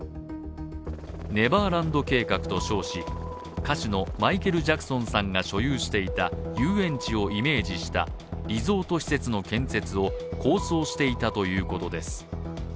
ネバーランド計画と称し歌手のマイケル・ジャクソンさんが所有していた遊園地をイメージしたリゾート施設の建設を構想していたということです。